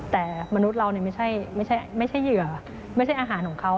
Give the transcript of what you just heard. แต่มนุษย์เราไม่ใช่เหยื่อไม่ใช่อาหารของเขา